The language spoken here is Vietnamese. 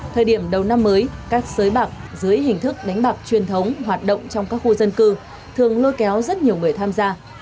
thời điểm đầu năm mới các sới bạc dưới hình thức đánh bạc truyền thống hoạt động trong các khu dân cư thường lôi kéo rất nhiều người tham gia